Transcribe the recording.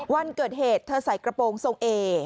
วันเกิดเหตุเธอใส่กระโปรงทรงเอ